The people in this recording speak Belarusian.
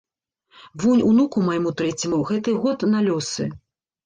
Вунь унуку майму трэцяму гэты год на лёсы.